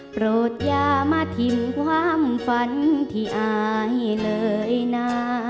โปรดอย่ามาทิมความฝันที่อายเลยนะ